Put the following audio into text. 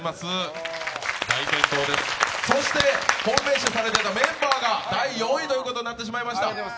大健闘です、そして本命視されていたメンバーが第４位となってしまいました。